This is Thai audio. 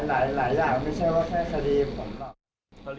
ไม่ใช่ว่าแค่สลีม